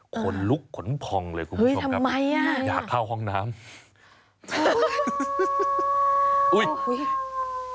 ขนลุกขนพองเลยคุณผู้ชมครับอยากเข้าห้องน้ำอุ๊ยทำไมน่ะ